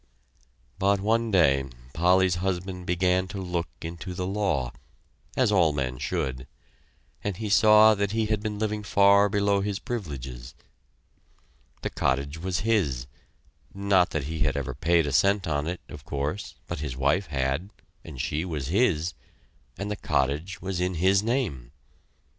But one day Polly's husband began to look into the law as all men should and he saw that he had been living far below his privileges. The cottage was his not that he had ever paid a cent on it, of course, but his wife had, and she was his; and the cottage was in his name.